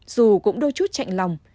dù cũng đôi chút chạnh lòng